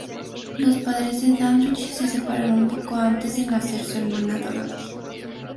Los padres de Dandridge se separaron poco antes de nacer su hermana Dorothy.